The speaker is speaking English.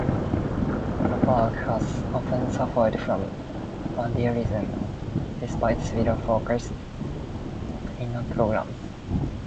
The park has often suffered from vandalism, despite several focused cleanup programs.